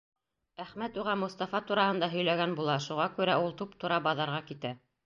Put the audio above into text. Әхмәт уға Мостафа тураһында һөйләгән була, шуға күрә ул туп-тура баҙарға китә.